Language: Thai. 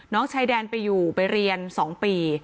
น้องชายแดนไปอยู่ไปเรียน๒ปี